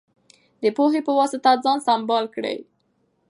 د پوهې په وسله ځان سمبال کړئ.